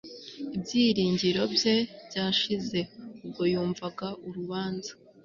Ibyiringiro bye byashize ubwo yumvaga urubanza